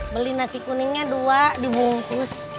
beli nasi kuningnya dua dibungkus